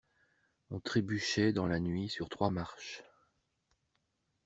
On trébuchait dans la nuit sur trois marches.